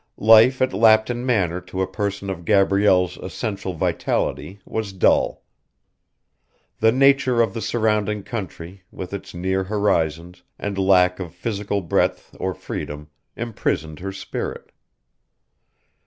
Life at Lapton Manor to a person of Gabrielle's essential vitality was dull. The nature of the surrounding country with its near horizons and lack of physical breadth or freedom imprisoned her spirit.